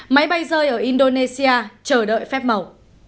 máy bay rơi ở indonesia chờ đợi phép màu